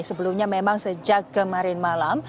sebelumnya memang sejak kemarin malam